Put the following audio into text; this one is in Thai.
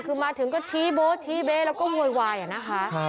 คือมาถึงก็ชี้โบ๊ชี้เบ๊แล้วก็โวยวายนะคะ